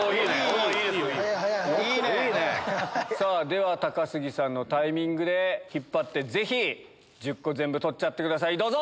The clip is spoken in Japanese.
では高杉さんのタイミングで引っ張ってぜひ１０個全部取っちゃってください。